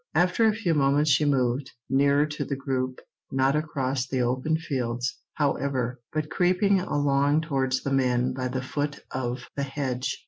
After a few moments she moved nearer to the group, not across the open fields, however, but creeping along towards the men by the foot of the hedge.